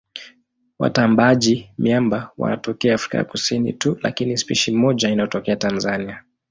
Watambaaji-miamba wanatokea Afrika ya Kusini tu lakini spishi moja inatokea Tanzania.